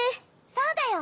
そうだよ。